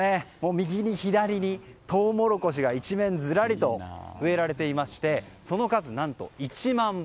右に左にトウモロコシが一面ずらりと植えられていましてその数何と１万本。